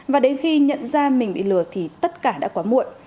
và đến khi nhận ra mình bị lừa thì tất cả đã quá muộn